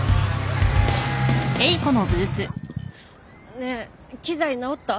ねえ機材直った？